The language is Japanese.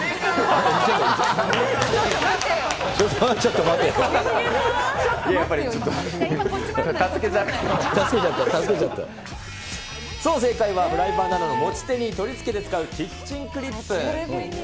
こっちもよくないし、そう、正解はフライパンなどの持ち手に取り付けて使うキッチンクリップ。